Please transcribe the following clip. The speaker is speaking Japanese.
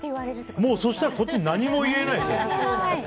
そうしたら、こっち何も言えないですよ。